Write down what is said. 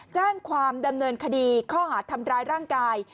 แจ้งความดำเนินคดีข้อหาดทำร้ายร่างกาย